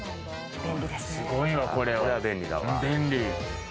すごいわ、これは便利。